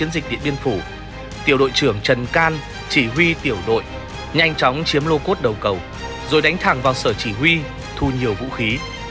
điện biên phủ tiểu đội trưởng trần can chỉ huy tiểu đội nhanh chóng chiếm lô cốt đầu cầu rồi đánh thẳng vào sở chỉ huy thu nhiều vũ khí